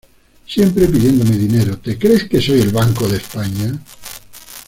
Siempre pidiéndome dinero, ¿te crees que soy el Banco de España?